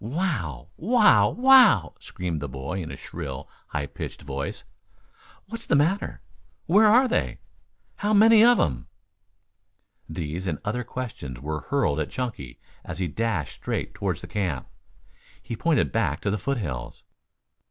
"Wow! Wow! Wow!" screamed the boy in a shrill, high pitched voice. "What's the matter?" "Where are they?" "How many of 'em?" These and other questions were hurled at Chunky as he dashed straight toward the camp. He pointed back to the foothills.